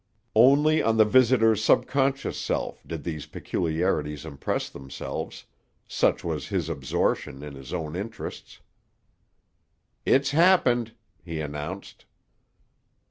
Only on the visitor's subconscious self did these peculiarities impress themselves, such was his absorption in his own interests. "It's happened!" he announced.